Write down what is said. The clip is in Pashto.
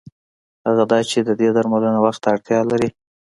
هغه دا چې د دې درملنه وخت ته اړتیا لري.